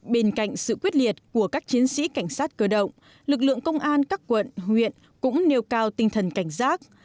bên cạnh sự quyết liệt của các chiến sĩ cảnh sát cơ động lực lượng công an các quận huyện cũng nêu cao tinh thần cảnh giác